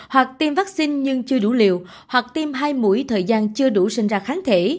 hoặc tiêm vaccine nhưng chưa đủ liều hoặc tiêm hai mũi thời gian chưa đủ sinh ra kháng thể